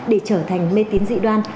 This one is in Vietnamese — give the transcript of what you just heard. để trở thành mê tín dị đoan